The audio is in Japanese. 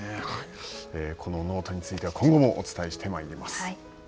このノートについては今後もお伝えしてまいります。